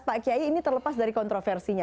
pak kiai ini terlepas dari kontroversinya